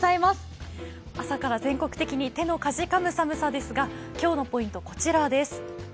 朝から全国的に手のかじかむ寒さですが、今日のポイント、こちらです。